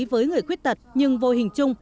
với người khuyết tật nhưng vô hình chung